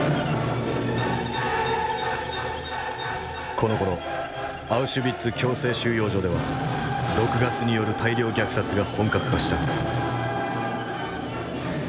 このころアウシュビッツ強制収容所では毒ガスによる大量虐殺が本格化した。